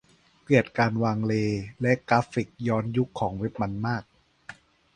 เกลียดการวางเลย์และกราฟิกย้อนยุคเว็บของมันมาก